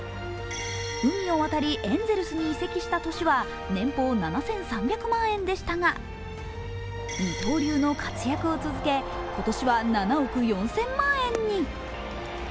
海を渡りエンゼルスに移籍した年は年俸７３００万円でしたが二刀流の活躍を続け今年は７億４０００万円に。